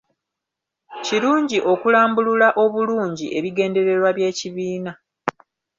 Kirungi okulambulula obulungi ebigendererwa by’ekibiina.